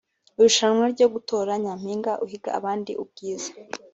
Irushanwa ryo gutora Nyampinga uhiga abandi ubwiza